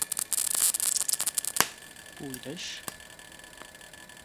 Půjdeš?